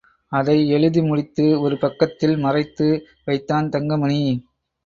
அதை எழுதி முடித்து, ஒரு பக்கத்தில் மறைத்து வைத்தான் தங்கமணி.